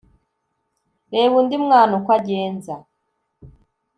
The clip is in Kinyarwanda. Reba Undi mwana uko agenza!